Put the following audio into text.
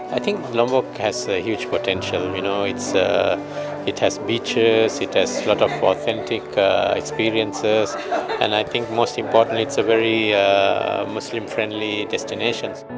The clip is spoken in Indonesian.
ada pantai banyak pengalaman yang asli dan paling penting ini adalah destinasi yang sangat berkawan dengan muslim